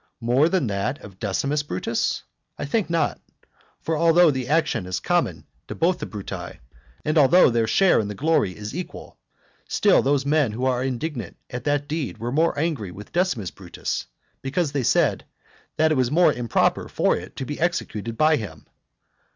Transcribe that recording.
More than that of Decimus Brutus? I think not; for although the action is common to both the Bruti, and although their share in the glory is equal, still those men who were indignant at that deed were more angry with Decimus Brutus, because they said, that it was more improper for it to be executed by him.